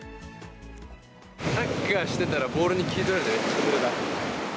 サッカーしてたら、ボールに気取られてぬれた。